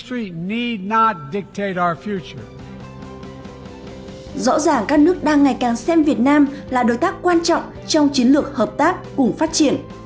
rõ ràng các nước đang ngày càng xem việt nam là đối tác quan trọng trong chiến lược hợp tác cùng phát triển